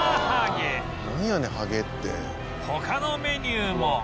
ハゲって」他のメニューも